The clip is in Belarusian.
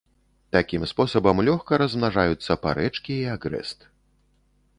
Такім спосабам лёгка размнажаюцца парэчкі і агрэст.